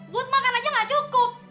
but makan aja gak cukup